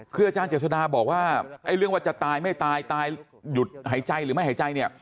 คืออาจารย์เจษฎาบอกว่าเรื่องว่าจะตายไม่ตายตายหยุดหายใจหรือไม่หายใจเนี่ย